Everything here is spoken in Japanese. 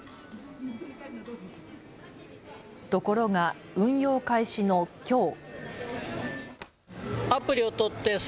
ところが運用開始のきょう。